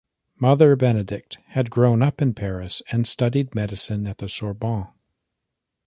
Mother Benedict had grown up in Paris and studied medicine at the Sorbonne.